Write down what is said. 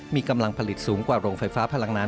มีกำลังผลิตสูงกว่าโรงไฟฟ้าพลังน้ำ